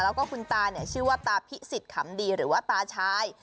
แล้วก็คุณตาชื่อว่าตาพิสิทธิขำดีหรือว่าตาชาย